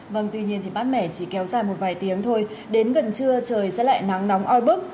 vâng tuy nhiên thì mát mẻ chỉ kéo dài một vài tiếng thôi đến gần trưa trời sẽ lại nắng nóng oi bức